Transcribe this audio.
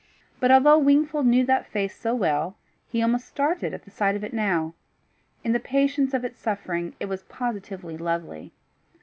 But although Wingfold knew that face so well, he almost started at the sight of it now: in the patience of its suffering it was positively lovely.